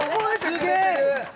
すげえ！